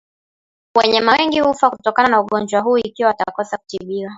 Wanyama wengi hufa kutokana na ugonjwa huu ikiwa watakosa kutibiwa